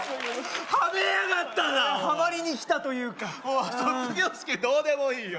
ハメやがったなおいハマりにきたというかもう卒業式どうでもいいよ